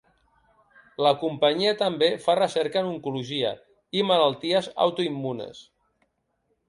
La companyia també fa recerca en oncologia i malalties autoimmunes.